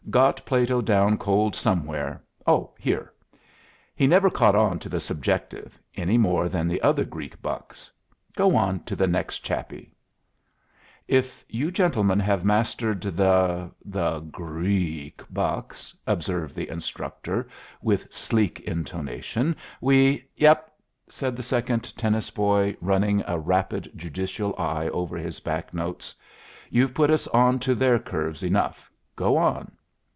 "Got Plato down cold somewhere, oh, here. He never caught on to the subjective, any more than the other Greek bucks. Go on to the next chappie." "If you gentlemen have mastered the the Grreek bucks," observed the instructor, with sleek intonation, "we " "Yep," said the second tennis boy, running a rapid judicial eye over his back notes, "you've put us on to their curves enough. Go on."